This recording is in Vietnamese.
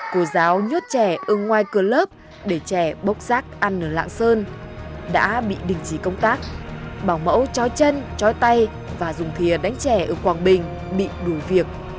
cô giáo nhốt trẻ ở ngoài cửa lớp để trẻ bốc rác ăn ở lạng sơn đã bị đình trí công tác bảo mẫu trói chân trói tay và dùng thìa đánh trẻ ở quảng bình bị đuổi việc